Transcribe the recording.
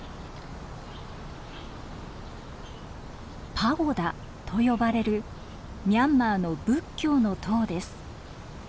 パゴダと呼ばれるミャンマーの仏教の塔です。